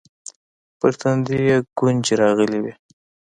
پر تندي يې گونځې راغلې وې.